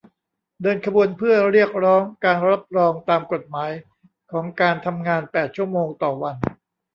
เดินขบวนเพื่อเรียกร้องการรับรองตามกฎหมายของการทำงานแปดชั่วโมงต่อวัน